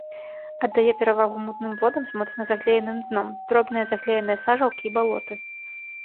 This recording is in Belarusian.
Аддае перавагу мутным водам з моцна заглееным дном, дробныя заглееныя сажалкі і балоты.